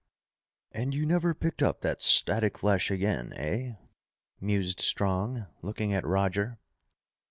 and you never picked up that static flash again, eh?" mused Strong, looking at Roger.